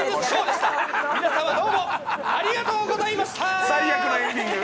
皆様どうもありがとうございました！